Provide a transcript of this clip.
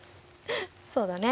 そうだね。